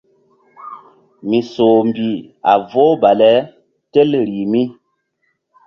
Misoh mbih a vohu bale tel rih mi.